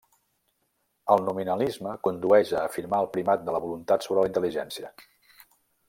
El nominalisme condueix a afirmar el primat de la voluntat sobre la intel·ligència.